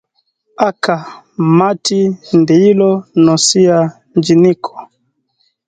Aka mati ndiiro no cia njiniko